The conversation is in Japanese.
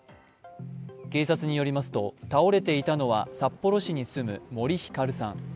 警察によりますと、倒れていたのは札幌市に住む森ひかるさん。